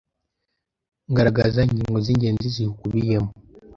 ngaragaza ingingo z’ingenzi ziwukubiyemo.